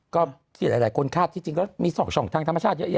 ก็หลายคนฆาตที่จริงมี๒ช่องทางธรรมชาติเยอะ